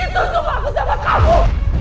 itu sumpah bersama kamu